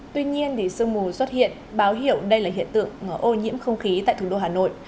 tuy nhiên sương mù xuất hiện báo hiệu đây là hiện tượng ô nhiễm không khí tại thủ đô hà nội